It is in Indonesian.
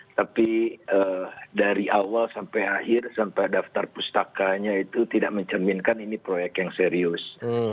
tapi dari awal sampai akhir sampai daftar pustakanya itu tidak mencerminkan ini proyek yang serius